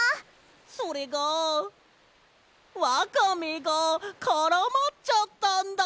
それがわかめがからまっちゃったんだよ。